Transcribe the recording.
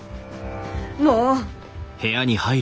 もう！